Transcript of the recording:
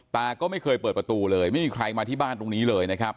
ก็ไม่เคยเปิดประตูเลยไม่มีใครมาที่บ้านตรงนี้เลยนะครับ